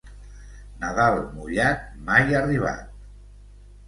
Nadal mullat, mai arribat.